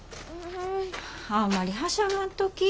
あんまりはしゃがんとき。